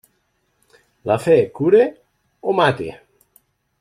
La fe cura o mata.